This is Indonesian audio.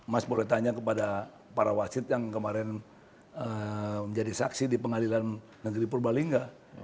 mas boleh tanya kepada para wasit yang kemarin menjadi saksi di pengadilan negeri purbalingga